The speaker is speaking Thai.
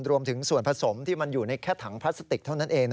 รวมถึงส่วนผสมที่มันอยู่ในแค่ถังพลาสติกเท่านั้นเอง